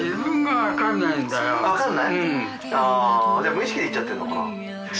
無意識で行っちゃってるのかな？